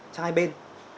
trong hai bên